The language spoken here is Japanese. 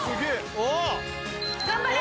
頑張れ。